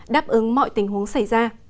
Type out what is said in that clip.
đáp ứng mọi tình huống xảy ra